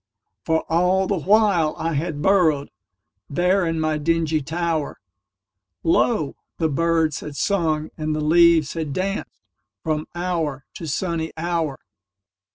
For all the while I had burrowedThere in my dingy tower, Lo! the birds had sung and the leaves had dancedFrom hour to sunny hour.